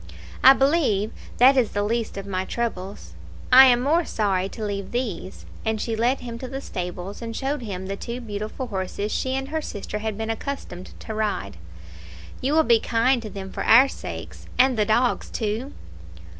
"I believe that is the least of my troubles. I am more sorry to leave these;" and she led him to the stables, and showed him the two beautiful horses she and her sister had been accustomed to ride. "You will be kind to them for our sakes, and the dogs, too.